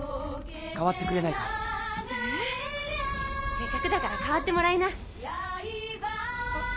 せっかくだから代わってもらいな。